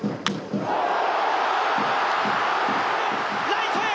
ライトへ。